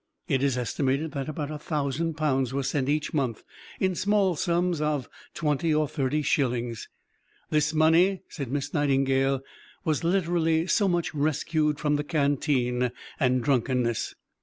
It is estimated that about a thousand pounds was sent each month, in small sums of twenty or thirty shillings. "This money," says Miss Nightingale, "was literally so much rescued from the canteen and drunkenness."